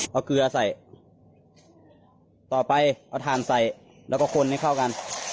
เอาเกลือใส่ต่อไปเอาถ่านใส่แล้วก็คนให้เข้ากัน